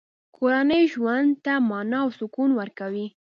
کورنۍ ژوند ته مانا او سکون ورکوي.